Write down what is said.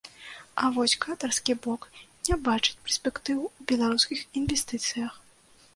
А вось катарскі бок не бачыць перспектыў у беларускіх інвестыцыях.